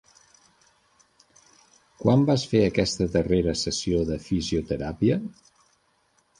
Quan vas fer aquesta darrera sessió de fisioteràpia?